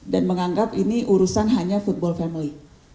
dan menganggap ini urusan hanya football family